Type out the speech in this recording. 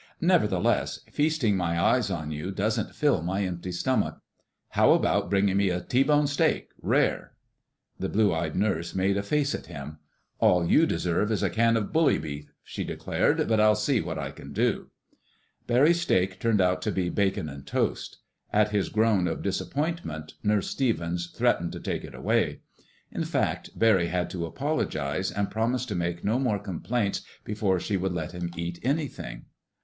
"Nevertheless, feasting my eyes on you doesn't fill my empty stomach. How about bringing me a T bone steak—rare?" The blue eyed nurse made a face at him. "All you deserve is a can of bully beef," she declared. "But I'll see what I can do." Barry's steak turned out to be bacon and toast. At his groan of disappointment, Nurse Stevens threatened to take it away. In fact, Barry had to apologize and promise to make no more complaints before she would let him eat anything.